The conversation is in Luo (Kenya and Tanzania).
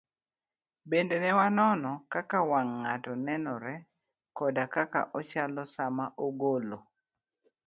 bende ne wanono kaka wang' ng'ato nenore koda kaka ochalo sama ogolo